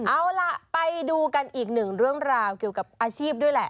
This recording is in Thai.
เอาล่ะไปดูกันอีกหนึ่งเรื่องราวเกี่ยวกับอาชีพด้วยแหละ